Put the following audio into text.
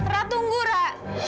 ra tunggu ra